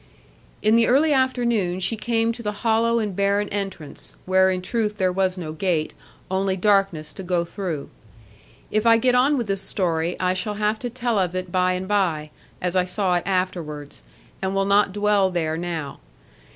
In the early afternoon she came to the hollow and barren entrance, where in truth there was no gate, only darkness to go through. If I get on with this story, I shall have to tell of it by and by, as I saw it afterwards; and will not dwell there now.